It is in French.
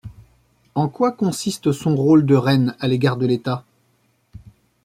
En quoi consiste son rôle de reine à l’égard de l’État?